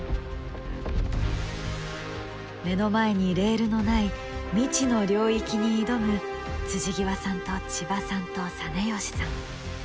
目の前にレールのない未知の領域に挑む極さんと千葉さんと實吉さん。